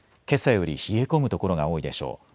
けさより冷え込む所が多いでしょう。